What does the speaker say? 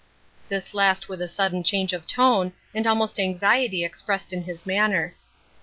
This last with a sudden change of tone, and almost anxiety expressed in his manner.